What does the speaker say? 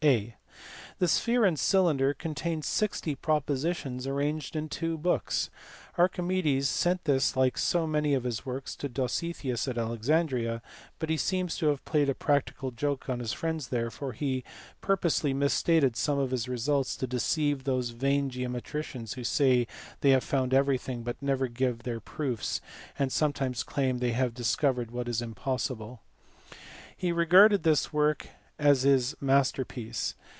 (a) The Sphere and Cylinder contains sixty propositions arranged in two books. Archimedes sent this like so many j of his works to Dositheus at Alexandria ; but he seems to ; have played a practical joke on his friends there, for he pur ; posely misstated some of his results " to deceive those vain geometricians who say they have found everything but never give their proofs, and sometimes claim that they have discovered | what is impossible." He regarded this work as his master 72 THE FIRST ALEXANDRIAN SCHOOL. piece.